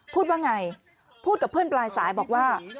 พูดว่าไงพูดกับเพื่อนปลายสายบอกว่า